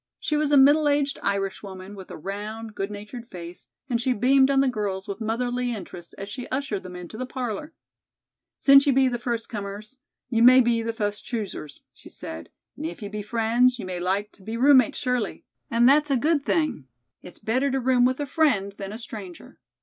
She was a middle aged Irish woman with a round, good natured face and she beamed on the girls with motherly interest as she ushered them into the parlor. "Since ye be the fust comers, ye may be the fust choosers," she said; "and if ye be friends, ye may like to be roommates, surely, and that's a good thing. It's better to room with a friend than a stranger."